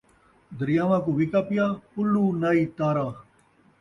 دریاواں کوں ویکا پیا، پُلو نائی تارا